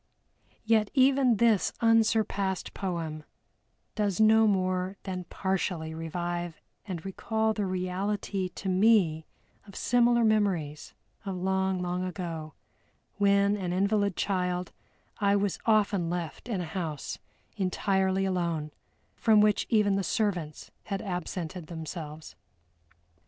Yet even this unsurpassed poem does no more than partially revive and recall the reality to me of similar memories of long, long ago, when an invalid child I was often left in a house entirely alone, from which even the servants had absented themselves.